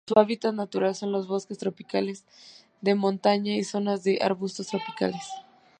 Su hábitat natural son los bosques tropicales de montaña y zonas de arbustos tropicales.